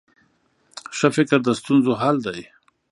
ښه فکر د ستونزو حل دی.